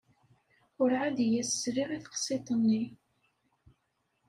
Urɛad i as-sliɣ i teqsiḍt-nni.